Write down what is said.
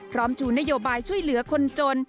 ชูนโยบายช่วยเหลือคนจน